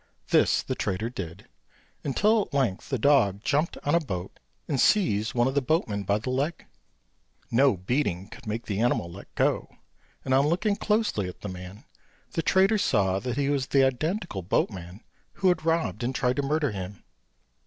This the trader did, until at length the dog jumped on a boat and seized one of the boatmen by the leg. No beating could make the animal let go; and on looking closely at the man, the trader saw he was the identical boatman who had robbed and tried to murder him.